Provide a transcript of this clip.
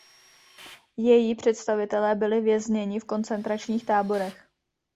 Její představitelé byli vězněni v koncentračních táborech.